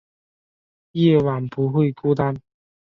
夜晚不会孤单